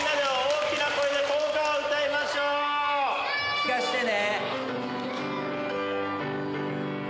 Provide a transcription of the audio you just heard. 聴かしてね。